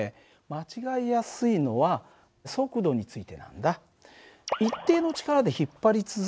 間違いやすいのは速度についてなんだ。